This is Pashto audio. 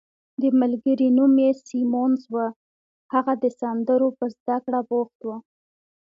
د ملګري نوم یې سیمونز وو، هغه د سندرو په زده کړه بوخت وو.